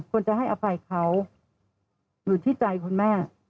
ควรจะให้อภัยเขาอยู่ที่ใจคุณแม่